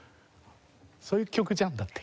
そういう曲じゃん？だって。